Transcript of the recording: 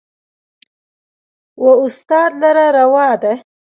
و استاد لره روا ده